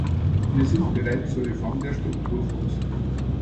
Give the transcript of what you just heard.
Wir sind bereit zur Reform der Strukturfonds.